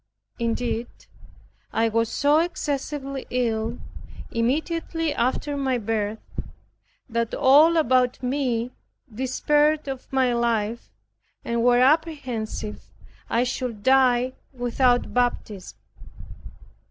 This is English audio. Indeed, I was so excessively ill, immediately after my birth, that all about me despaired of my life, and were apprehensive I should die without baptism.